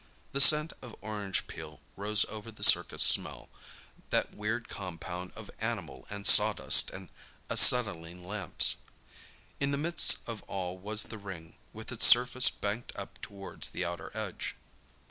The scent of orange peel rose over the circus smell—that weird compound of animal and sawdust and acetylene lamps. In the midst of all was the ring, with its surface banked up towards the outer edge.